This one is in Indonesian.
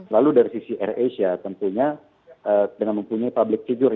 lalu dari sisi air asia tentunya dengan mempunyai public figure